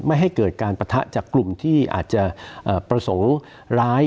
ให้เกิดการปะทะจากกลุ่มที่อาจจะประสงค์ร้าย